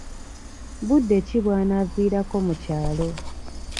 Budde ki bw'anaaviirako mu kyalo?